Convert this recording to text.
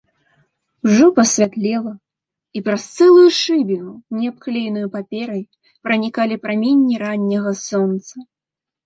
Ужо пасвятлела, і праз цэлую шыбіну, не абклееную паперай, пранікалі праменні ранняга сонца.